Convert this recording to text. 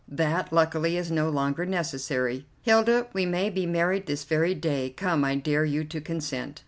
That, luckily, is no longer necessary. Hilda, we may be married this very day. Come, I dare you to consent."